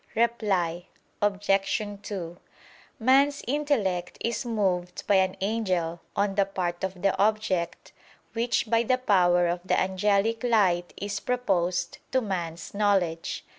Reply Obj. 2: Man's intellect is moved by an angel, on the part of the object, which by the power of the angelic light is proposed to man's knowledge.